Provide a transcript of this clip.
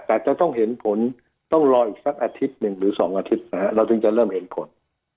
แต่จะต้องเห็นผลต้องรออีกสักอาทิตย์หนึ่งหรือ๒อาทิตย์นะฮะเราถึงจะเริ่มเห็นผล